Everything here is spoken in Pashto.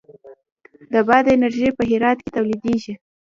د باد انرژي په هرات کې تولیدیږي